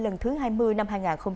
lần thứ hai mươi năm hai nghìn hai mươi